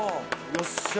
よっしゃあ。